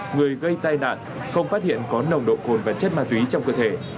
người gây tai nạn không phát hiện có nồng độ cồn và chất ma túy trong cơ thể